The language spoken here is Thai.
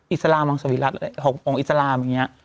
อิสระมังสวิรัติของอิสระมังอย่างเงี้ย